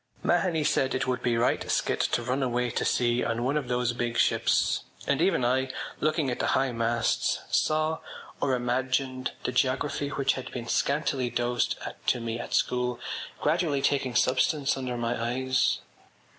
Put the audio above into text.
Mahony said it would be right skit to run away to sea on one of those big ships and even I, looking at the high masts, saw, or imagined, the geography which had been scantily dosed to me at school gradually taking substance under my eyes.